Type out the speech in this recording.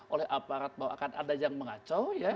oleh aparat bahwa akan ada yang mengacau ya